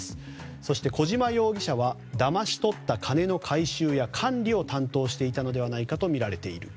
そして小島容疑者はだまし取った金の回収や管理を担当していたのではないかとみられている。